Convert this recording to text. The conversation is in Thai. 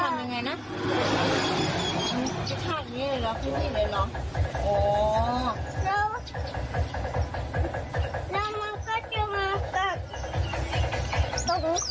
มันทำยังไงนะทักนี้เลยเหรอทันทีเลยหรอ